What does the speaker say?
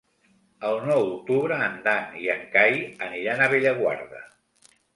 El nou d'octubre en Dan i en Cai aniran a Bellaguarda.